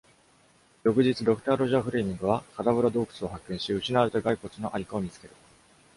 翌日、ドクター・ロジャー・フレミングは、カダヴラ洞窟を発見し、失われた骸骨の在処を見つける。